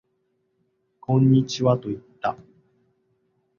こんにちはと言った